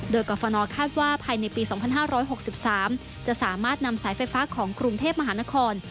โดยกรฟนคาดว่าภายในปี๒๕๖๓จะสามารถนำสายไฟฟ้าของกรุงเทพมหานคร